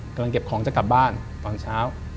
กำลังเก็บของจะกลับบ้านตอนเช้า